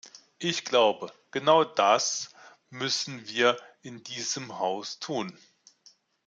Ich glaube, genau das müssen wir in diesem Haus tun.